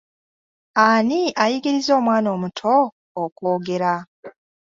Ani ayigiriza omwana omuto okwogera?